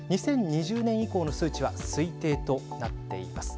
２０２０年以降の数値は推定となっています。